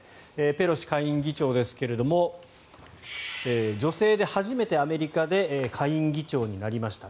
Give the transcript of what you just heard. ペロシ下院議長ですが女性で初めてアメリカで下院議長になりました。